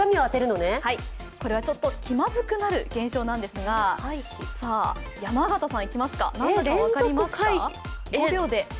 これはちょっと気まずくなる現象なんですが、なんだか分かりますか？